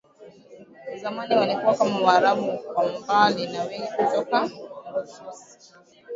zamani walikuwa kama Waarabu kwa mbali na wengi ni kutoka Rusori